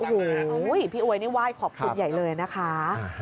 โอ้โหพี่อวยนี่ไหว้ขอบคุณใหญ่เลยนะคะ